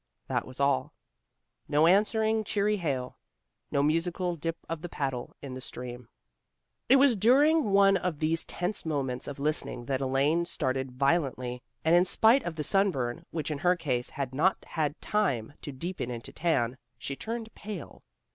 That was all. No answering cheery hail. No musical dip of the paddle in the stream. It was during one of these tense moments of listening that Elaine started violently, and in spite of the sunburn, which in her case had not had time to deepen into tan, she turned pale.